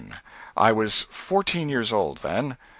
I was fourteen years old, then.